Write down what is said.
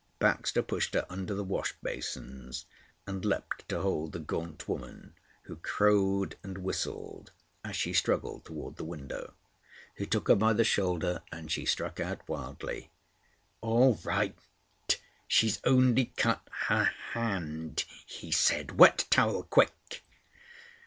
Baxter pushed her under the wash basins, and leaped to hold the gaunt woman who crowed and whistled as she struggled toward the window. He took her by the shoulder, and she struck out wildly: "All right! She's only cut her hand," he said. "Wet towel quick!"